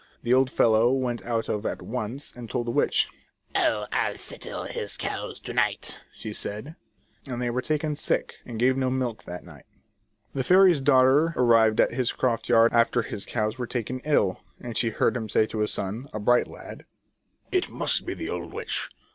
The old fellow went off at once and told the witch. "Oh, I'll settle his cows to night!" said she, and they were taken sick, and gave no milk that night. The fairy's daughter arrived at his croft yard after the cows were taken ill, and she heard him say to his son, a bright lad :" It must be the old witch